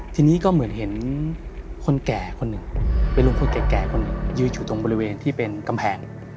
ทีนี้ก็เหมือนเห็นคนแก่คนหนึ่งเป็นลุงพลแก่คนหนึ่งยืนอยู่ตรงบริเวณที่เป็นกำแพง